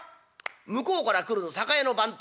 向こうから来る酒屋の番頭。